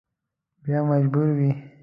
بیا مجبور وي.